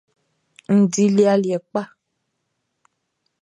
N dili aliɛ kpa.